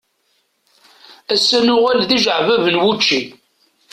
Ass-a nuɣal d ijeɛbab n wučči.